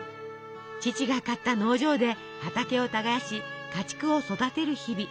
父が買った農場で畑を耕し家畜を育てる日々。